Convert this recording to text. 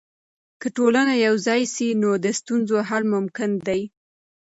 که ټولنه یوځای سي، نو د ستونزو حل ممکن دی.